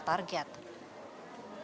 sudah mencapai satu persen